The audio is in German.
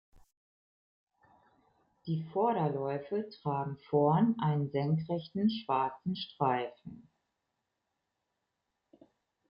Die Vorderläufe tragen vorn einen senkrechten schwarzen Streifen.